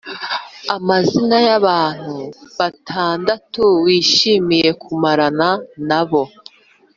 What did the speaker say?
amazina yabantu batandatu wishimiye kumarana nabo